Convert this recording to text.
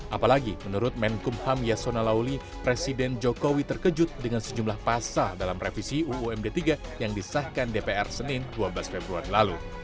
apalagi menurut menkumham yasona lauli presiden jokowi terkejut dengan sejumlah pasal dalam revisi uumd tiga yang disahkan dpr senin dua belas februari lalu